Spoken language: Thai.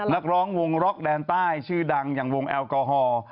นักร้องวงล็อกแดนใต้ชื่อดังอย่างวงแอลกอฮอล์